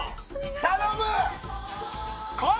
頼む！